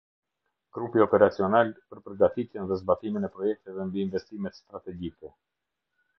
Grupi operacional për përgatitjen dhe zbatimin e projekteve mbi investimet strategjike.